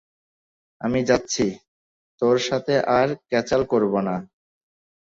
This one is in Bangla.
আমি যাচ্ছি, তোর সাথে আর ক্যাচাল করবো না।